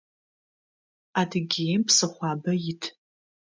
Адыгеим псыхъуабэ ит.